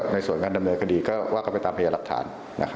ในส่วนการดำเนินคดีก็ว่ากันไปตามพยายามหลักฐาน